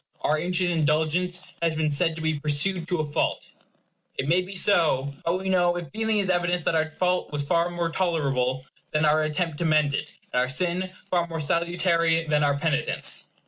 Our ancient indulgence has been said to be pursued to a fault. It may be so. But we know if feeling is evidence, that our fault was more tolerable than our attempt to mend it; and our sin far more salutary than our penitence.